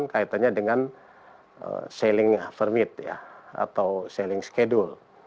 kaitannya dengan selling permit atau selling schedule